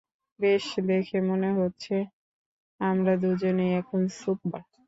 বেশ, দেখে মনে হচ্ছে আমরা দুজনেই এখন সুপার।